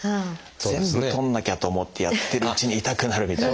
全部取らなきゃと思ってやってるうちに痛くなるみたいな。